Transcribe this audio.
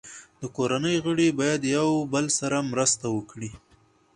د کورنۍ غړي باید یو بل سره مرسته وکړي.